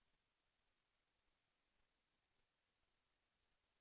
แสวได้ไงของเราก็เชียนนักอยู่ค่ะเป็นผู้ร่วมงานที่ดีมาก